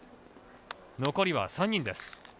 残りは３人です。